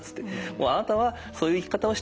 「もうあなたはそういう生き方をしたいんだね。